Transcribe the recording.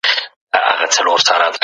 خو اوسنۍ نړۍ نويو لارو ته اړتيا لري.